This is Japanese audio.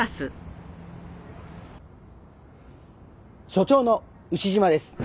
署長の牛島です。